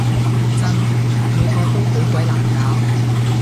真！每個都好鬼難搞